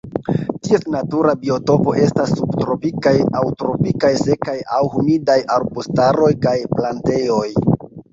Ties natura biotopo estas subtropikaj aŭ tropikaj sekaj aŭ humidaj arbustaroj kaj plantejoj.